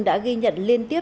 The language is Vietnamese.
đã ghi nhận liên tiếp